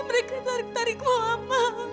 mereka tarik tarik lo abang